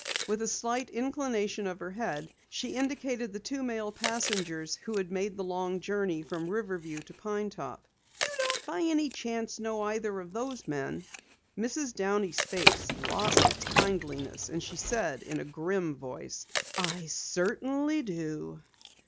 With a slight inclination of her head, she indicated the two male passengers who had made the long journey from Riverview to Pine Top. "You don't by any chance know either of those men?" Mrs. Downey's face lost its kindliness and she said, in a grim voice: "I certainly do!"